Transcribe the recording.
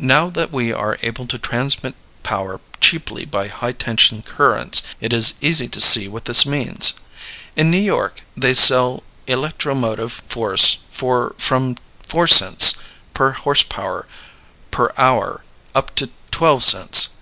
Now that we are able to transmit power cheaply by high tension currents, it is easy to see what this means. In New York they sell electromotive force for from four cents per horse power per hour up to twelve cents.